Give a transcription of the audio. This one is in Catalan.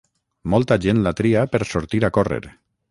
Molta gent la tria per sortir a córrer